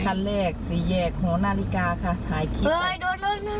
คันแรกสี่แยกหัวหน้าลิกาค่ะถ่ายคลิปเอ้ยโดดโดดโดด